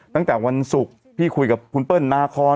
ตั้งแต่วันศุกร์พี่คุยกับคุณเปิ้ลนาคอน